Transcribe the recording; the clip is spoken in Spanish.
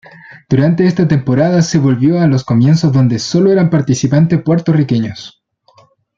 Durante esta temporada se volvió a los comienzos donde solo eran participantes puertorriqueños.